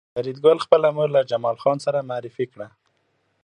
فریدګل خپله مور له جمال خان سره معرفي کړه